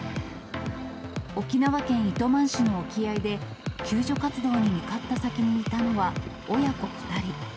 沖縄県糸満市の沖合で、救助活動に向かった先にいたのは、親子２人。